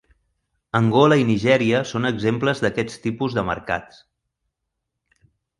Angola i Nigèria són exemples d'aquests tipus de mercats.